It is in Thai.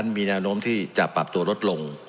มีแนวโน้มที่จะปรับตัวลดลง